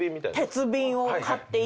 鉄瓶を買っていて。